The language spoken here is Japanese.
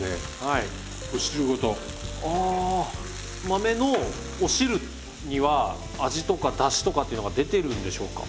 豆のお汁には味とかだしとかっていうのが出てるんでしょうか？